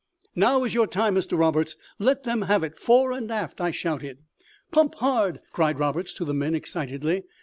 "Now is your time, Mr Roberts; let them have it, fore and aft!" I shouted. "Pump hard!" cried Roberts to the men, excitedly.